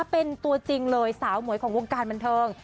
เป็นตัวจริงเลยสาวหมวยของวงการบันเทิง